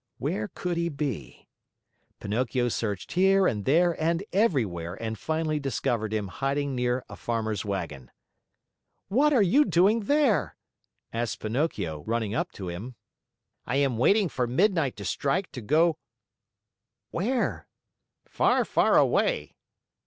Where could he be? Pinocchio searched here and there and everywhere, and finally discovered him hiding near a farmer's wagon. "What are you doing there?" asked Pinocchio, running up to him. "I am waiting for midnight to strike to go " "Where?" "Far, far away!"